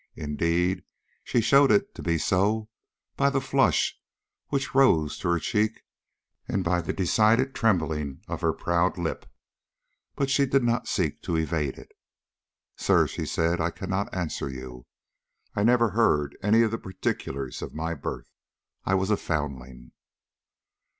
Indeed, she showed it to be so by the flush which rose to her cheek and by the decided trembling of her proud lip. But she did not seek to evade it. "Sir," she said, "I cannot answer you. I never heard any of the particulars of my birth. I was a foundling."